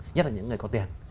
nhất là những người có tiền